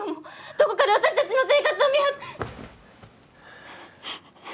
どこかで私たちの生活を見張ってて。